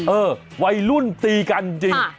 เออวัยรุ่นตีกันจริง